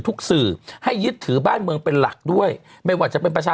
สื่อให้ยึดถือบ้านเมืองเป็นหลักด้วยไม่ว่าจะเป็นประชา